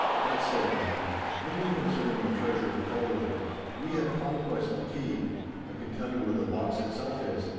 'But,' said he, 'hear me concerning the treasure of Kelwood. Ye have conquest the key. I can tell you where the box itself is.